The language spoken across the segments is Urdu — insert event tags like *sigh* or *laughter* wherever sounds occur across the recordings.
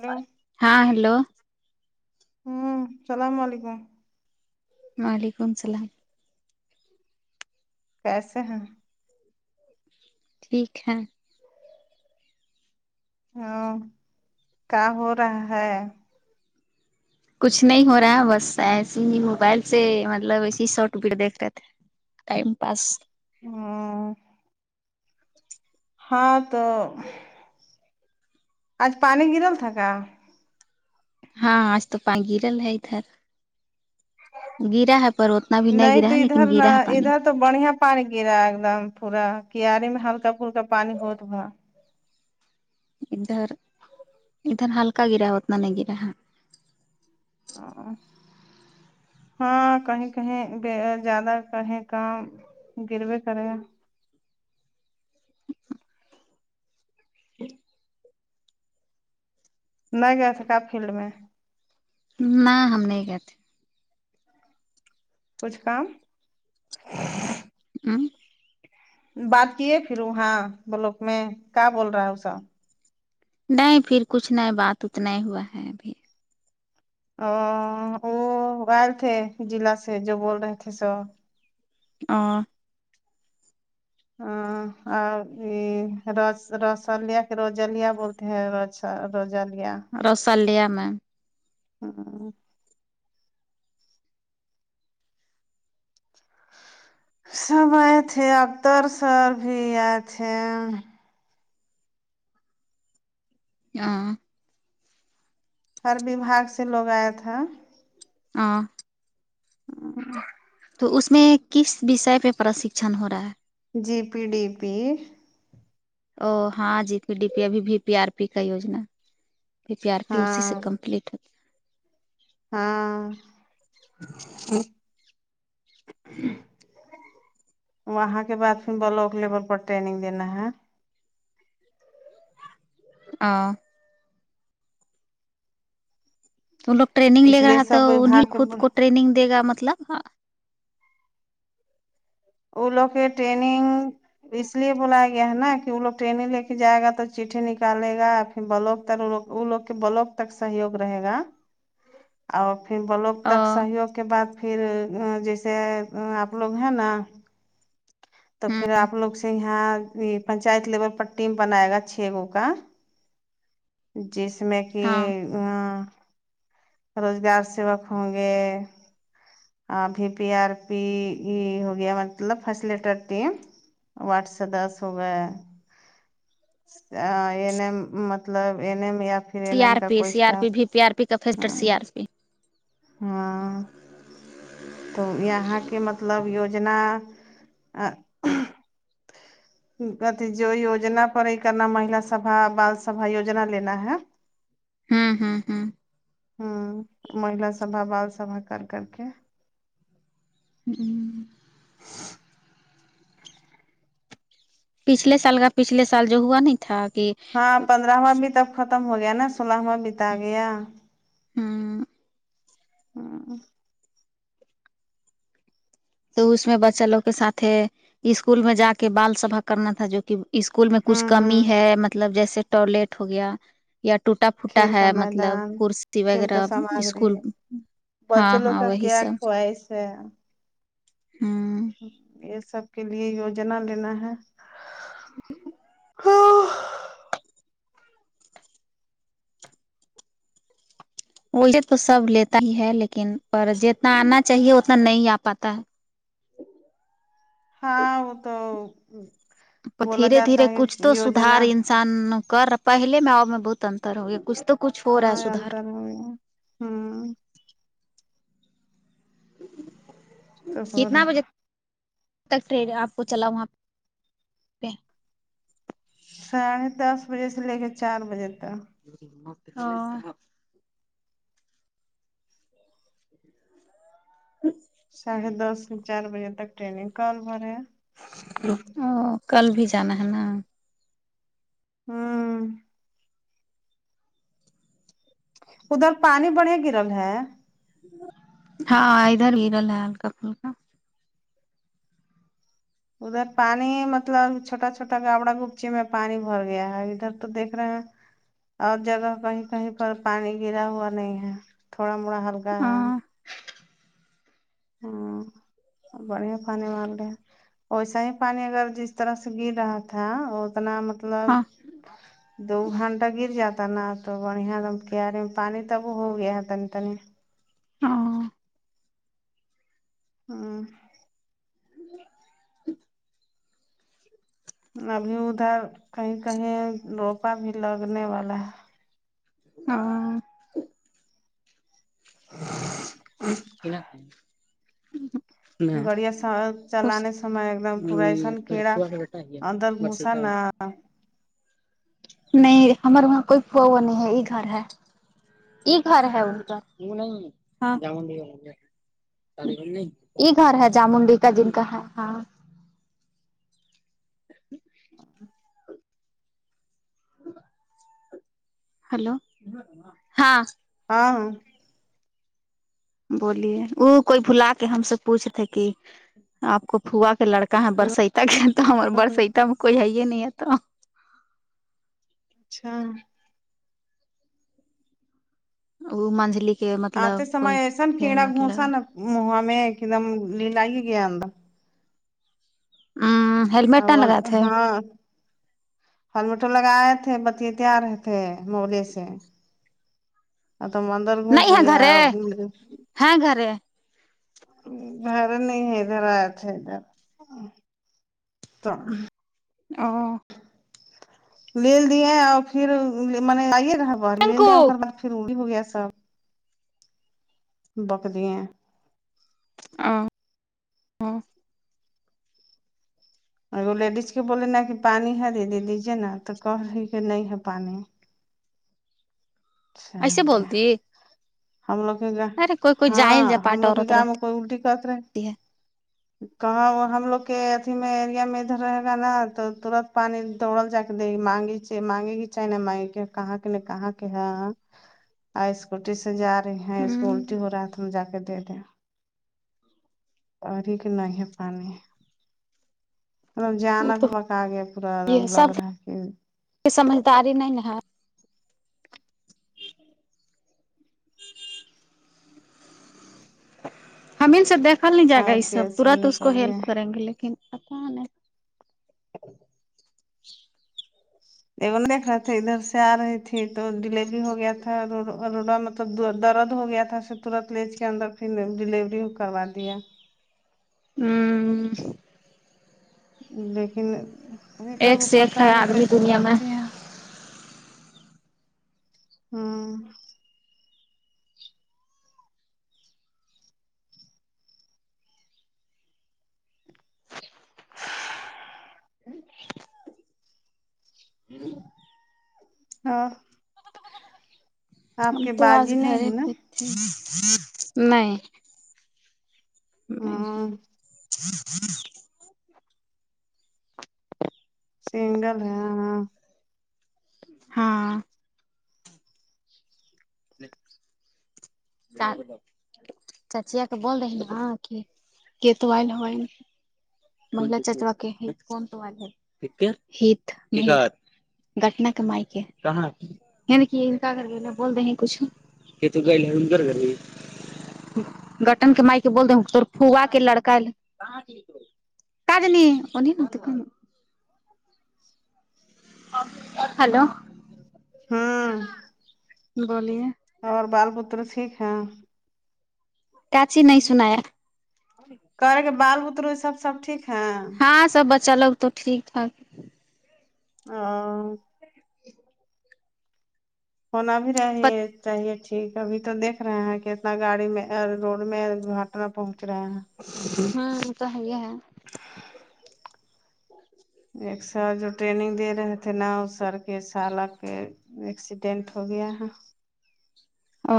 ہلو ہاں ہیلو ہمم سلام علیکم وعلیکم السلام کیسے ہیں *inaudible* ٹھیک ہے ہاں کیا ہو رہا ہے کچھ نہیں ہو رہا ہے بس ایسے ہی موبائل سے مطلب ایسے شارٹ پیڈ دیکھ رہے تھے ٹائم پاس ہاں ہاں تو آج پانی گرل تھاکا ہاں آج تو پان گیرل ہے ادھر گرا ہے پر اتنا بھی نہیں گرا تو ہے لیکن ادھر نہ گرا ہے پانی ادھر تو بڑھیا پانی گرا ہے ایک دم پورا کیارے میں ہلکا پھلکا پانی ہوت با ادھر ادھر ہلکا گرا اتنا نہیں گرا *unintelligible* ہاں کہیں کہیں زیادہ کہیں کام گروی کرے *inaudible* نہیں گیا سکا فیلڈ میں نہ ہم نہیں کہتے کچھ کام امم بات کیے پھر وہاں بلک میں کیا بول رہا ہے اسا نہیں پھر کچھ نہیں بات اتنا ہی ہوا ہے ابھی آآ او آئے تھے جلع سے جو بول رہے تھ سو آں آ اور رس رسلیا کی رجلییا بول *unintelligible* رسلیا میں ہاں سب آۓ تھے ابتر سر بھی آۓ تھے ہاں ہر وبہاگ سے لوگ آۓ تھا ہوں ہاں تو اس میں کس وشئے پہ پرشکشن ہورہا ہے جی پی ڈی پی او ہاں جی پی ڈی پی ابھی بی پی آر پی کا یوجنا پی پی آر پی اسی ہاں سے کمپلیٹ ہاں وہاں کے بعد پھر بلوک لیول پر ٹرینگ دینا ہے ہاں وہ لوگ ٹریننگ لے اس لیے رہا تھا سب تو انہیں وباگ خود کے کو ٹریننگ دے گا مطلب او لوک کے ٹرینینگ اس لیے بلایا گیا ہے ناں کہ وہ لوگ ٹرینگ لے کے جائے گا تو چیٹھے نکالے گا ھر بلوک تک وہ لوگ کے بلوک تک سہیوگ رہے گا اور پھر بلوک تک سہیوگ کے بعد پھر جیسے آپ لوگ ہیں ناں تو پھر آپ لوگ سے یہاں پنچایت لیول پر ٹیم بنائے گا چھ لوگ کا جس میں کہ ہاں آ روزگار سیوک ہوں گے ابھی پی آر پی ای ہو گیا مطلب فسٹ لیٹر ٹیم واٹس داس ہوگئے یانی مط لب این ایم یا پھر سی این ایم آر کا پی کوئی C R staff P B P R P کا فیکٹر سی آر پی ہاں تو یہاں کے مطلب یوجنا آ پرتی جو یوجنا پرئی کرنا مہیلا سبا بال سبا یوجنا لینا ہے ہوں ہوں ہوں ہوں مہیلا سبا بال سبا کر کرکے ہوں پچھلے سال کا پچھلے سال جو ہوا نہیں تھا کہ ہاں پندرہواں بھی تب ختم ہو گیا ناں سولہواں بتا گیا ہوں ہاں تو اس میں بچہ لوگ کے ساتھ ہے اسکول میں جا کے بال سبھا کرنا تھا جو کہ اسکول میں کچھ کمی ہوں ہے مطلب جیسے ٹوائلٹ ہوگیا یا ٹوٹا پھوٹا کھیل کا ہے مطلب میدان کرسی وغیرہ اسکول پچے ہاں لوگ ہاں کا وہی کیا سب کوائس ہے ہوں یہ سب کے لیے یوجنا لینا ہے ہاں وہیے تو سب لیتا ہی ہے لیکن پر جتنا آنا چاہیے اتنا نہیں آ پاتا ہے ہاں وہ تو بولا دھیرے دھیر جاتا ہے کچھ تو سدھار یوجنا ان سان کر پہلے میں آؤ میں بہت انتر ہوگیا کچھ تو کچھ ہو رہا ہاں ہے سدھار انتر ہے ہوں تو ہو کتنا رہا بجے تک ٹرین آپ کو چلا وہاں پہ ساڑھے دس بجے سے لے کے چار بجے تک ہاں *inaudible* ساڑھے دس سے چار بجے تک ٹرینگ کال ہورہے ہے او کل بھی جانا ہے ناں ہوں ادھر پانی بڑھیا گرل ہے ہاں ادھر ہیرل ہے ہلکا پھلکا ادھر پانی مطلب چھوٹا چھوٹا گابڑا گپچے میں پانی بھر گیا ہے ادھر تو دیکھ رہے ہیں اور جگہ کہیں کہیں پر پانی گرا ہوا نہیں ہے تھوڑا موڑا ہلکا ہے ہاں ہمم بڑھیا پانی مانگ رہے ویسا ہی پانی اگر جس طرح سے گر رہا تھا وہ نا مطلب ہاں دو گھنٹہ گر جاتا نا تو بڑھیا دم کیاریے میں پانی تب ہو گیا ہے تنی ہاں ہاں *inaudible* ابھی ادھر کہیں کہیں روپا بھی لگنے والا ہے ہاں کی نا ہوں گڑیا سا چلانے سمے ایک دم پورائی سن کیڑا اندر گھسا نہ ہاں نہیں ہمار وہاں کوئی کون ہے یہ گھر ہے یہ گھر ہے ان کا وہ نہیں ہاں جامن بی کا یہ گھر ہے جامن بی کا جن کا ہے ہاں *inaudible* ہیلو ہاں ہاں بولیے وہ کوئی بھلا کے ہم سے پوچھتے کہ آپ کو پھووا کے لڑکا ہے برستا کے تو ہمار برستا میں کوئی ہے یہ نہیں ہے تو اچھا وہ منجلی کے مطلب آتے سمے کوئی ایسان تھے کیڑا مطلب گھسا ن مہا میں ایک دم للیگ ہی گیا اندر ہا ہیلمٹ نہیں لگاتے تھے ہمیٹر لگائے تھے بچے تیار تھے مولے سے اتو ون نہیں ہاں گھرے ہاں گھرے گھر نہیں ہے ادھر آئے تھے ادھر تو ا ہو لے دیے اور پھر م ائیے کو *unintelligible* پھر وہی ہو گیا سب بک دئیے ہیں اں اں ہاں وہ لیڈیز کے بولے نا کہ پانی ہے دے دیجیے نا تو کہ رہی کہ نہیں ہے پانی ایسے اچھا بولتی ہے ہم لوگ کے گا جاہل ہاں ہم جپاٹ لوگ کے عورت گاؤں میں کوئی الٹی کس رہے *inaudible* کہاں ہم لوگ کے ابھی میں ایریا میں ادھر رہے گا نا تو ترت پانی توڑل جا دے مانگی چے مانگے گ چے مانگے کہاں ت کہاں *unintelligible* کہ ہاں اسکوٹی سے جا رہی ہیں اس کو الٹی ہو رہا ہے تو ہم جا کے دے دیں اور ہی کہ نہیں ہے پانی ایک وہ جانک تو مک اگے پورا یہ سب لگ رہا پھر سمجھداری نہیں ہے ہم ان سے دیکھا نہیں جائے گا کھائے یہ سب پیے تورنت اس کو نکل ہیلپ گئے کریں گے ا نہیں دیکھ رہے تھے ادھر سے ا رہی تھی تو ڈیلیوری ہو گیا تھا ا *unintelligible* سب درد ہو گیا تھا اسے ترنت لج کے اندر پھر ڈیلیوری کروا دیا ہوں لیکن ایک ا کو سے ایک پہ ہے نہیں آدمی کیشن دنیا میں رہتی ہیں ہوں ہاں ہم کی تو آج باجی گھر نہیں ہے ہی نا پہ تھے میں میں ہ سنگل ہے ہاں ہاں چار چاچی ا کے بول رہے ن کہ کیتوہ ہوے منگلا چچ واکی ہی فون تو وال ہی *unintelligible* گٹنا کے مائک گھر بول دے ہیں کچھ نہیں گٹن کے مائی کے بول دے تو فوا کے لڑکا تج نہیں ان ہی مت ک ہلو ہوں بولیئے اور بال پتر ٹھیک ہے کاچی نہیں سنایا کرے کے بال بترو سب سب ٹھیک ہے ہاں سب بچا لوگ تو ٹھیک ٹھاک آ ں ہونا بھی رہا چاہیے اچ ٹھیک ہے ابھی تو دیکھ رہے ہیں کہ اتنا گاڑی میں روڈ میں ڈاکٹرن پہنچ رہے ہیں ہاں تو ہے ہی ہے ایک سر جو ٹرینگ دے رہے تھے نا سر کے سالا کے اک ٹینٹھ ہو گیا ہے آ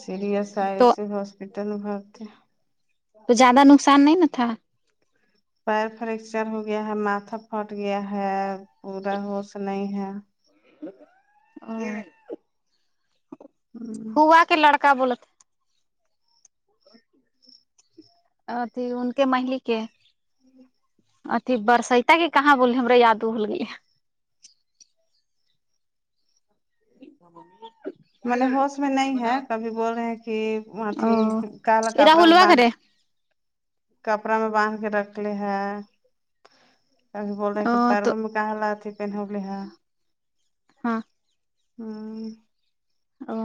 سیریس آئے تو اسی ہسپٹل بھرتی تو زیادہ نقصان نہیں نا تھا پیر فریکچر ہو گیا ہے ماتھا پھوٹ گیا ہے پورا ہوش نہیں ہے اور ہوں بوا کے لڑک بول تھے اتھی ان کے مہلی کے اتیھی برستا کی کہاں بول ہما د بول گئی ہے *inaudible* منے ہوش میں نہیں ہے کبھی بول رہے ہیں کہ ماتھ او کالا یہ کپڑا میں راہلوا باندھ کرے کپڑا میں باندھ کے رکھ لے ہے کبھی بول رہے کہ ا تو پرو میں کہلہ ا پینول ہے ہاں ہاں او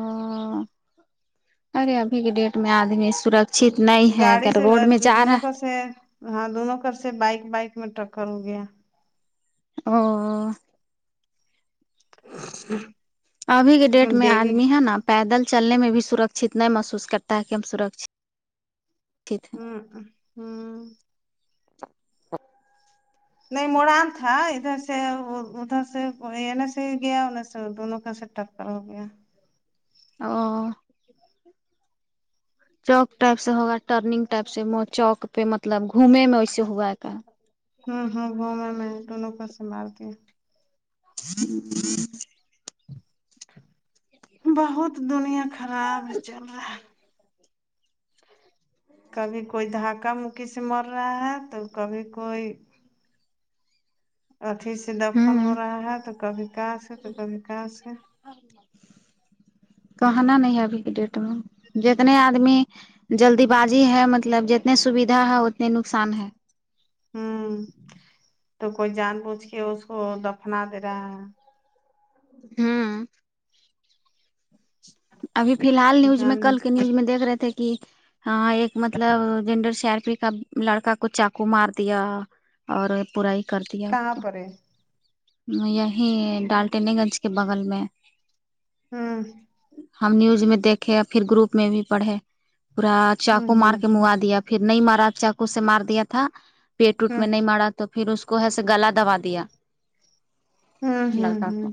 ارے ابھی کے ڈیٹ میں آدمی سرک چت نہیں ہے کہ روڈ میں جا رہا ا *unintelligible* ہاں دونوں کر سے بائک بائک میں ٹکر ہو گیا او ابھی کے ڈیٹ میں ڈیلی آدمی ہے نا پیدل چلنے میں بھی سرکھچت ن محسوس کرتا ہے کہ ہم سرکچت ہیں ہوں ہوں نہیں مڑان تھا ادھر سے ادھر سے ن سے گیا ن س دون کا سٹر ہو گیا اور چوک ٹائپ سے ہوگا ٹرنگ ٹائپ سے چوک پہ مطلب گھوم میں وس ہوا کا ہوں ہوں وہ میں مٹ *inaudible* نوںک سے مارتی بہت دنیا خراب چل رہا ہے کسی مر رہا ہے تو کبھی کوئی اھی سے دفن ہو ہوں رہا ہے تو کبھی کہاں سے تو کبھی کہاں سے کہ نہ نہیں ہے ابھی کے ڈیٹ میں جتنے آدمی جلدی بازی ہے مطلب جتنے سویدھا ہے اتنے نقصان ہے ہوں تو کوئی جان بوچھ کے اس کو دفنا دے رہا ہے ہوں ابھی فی الحال نیوز میں جان کل کے نیوز میں دیکھ رہے تھے کہ ہاں ایک مطلب جنڈرل سی آر پی کا لڑکا کو چاقو مار دیا اور برائی کر دیا اس کہاں کو پر ہے یہی ڈالٹینی گنج کے بغل میں ہاں ہم نیوز میں دیکھے اور پھر گروپ میں بھی پڑھے پورا ہ چاقو ہ مار ہ کے منوا دیا پھر نہیں مارا چاقو سے مار دیا تھا پیٹ وٹ ہ میں نہیں مارا تو پھر اس کو ایسے گلا دبا دیا ہوں ہوں لڑکا ہوں کو